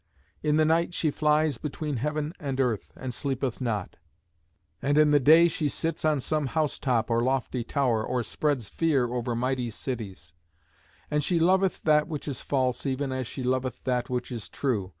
In the night she flies between heaven and earth, and sleepeth not; and in the day she sits on some house top or lofty tower, or spreads fear over mighty cities; and she loveth that which is false even as she loveth that which is true.